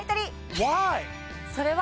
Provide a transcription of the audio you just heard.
それは。